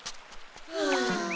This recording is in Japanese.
はあ。